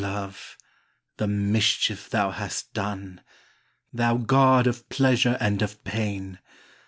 LOVE ! the mischief thou hast done ! Thou god of pleasure and of pain